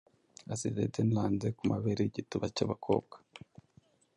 Asize Daneland kumabere yigituba cyabakobwa